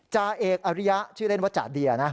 จ่าเอกอริยะชื่อเล่นว่าจาเดียนะ